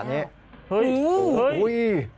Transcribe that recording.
เฮ้ยเฮู้ย